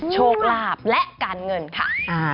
โชคลาภและการเงินค่ะ